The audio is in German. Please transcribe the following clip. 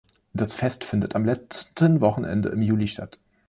Das Fest findet am letzten Wochenende im Juli statt.